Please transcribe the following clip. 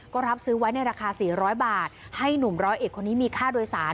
ก็รับซื้อไว้ในราคา๔๐๐บาทให้หนุ่มร้อยเอกคนนี้มีค่าโดยสาร